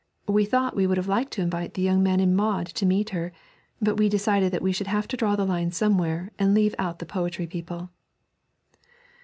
We thought we would have liked to invite the young man in Maud to meet her, but we decided we should have to draw the line somewhere and leave out the poetry people.'